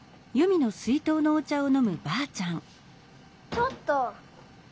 ちょっと！